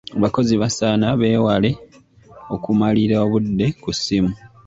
Abakozi basaana beewale okumalira obudde ku ssimu.